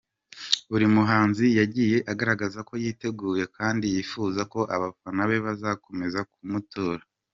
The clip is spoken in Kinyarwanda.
Buri muhanzi yagiye agaragaza ko yiteguye kandi yifuza ko abafana be bazakomeza kumutora.